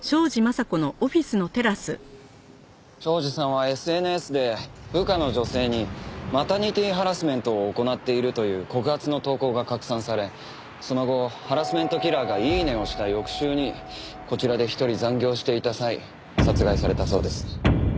庄司さんはＳＮＳで部下の女性にマタニティハラスメントを行っているという告発の投稿が拡散されその後ハラスメントキラーがイイネ！をした翌週にこちらで一人残業していた際殺害されたそうです。